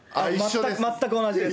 全く同じです。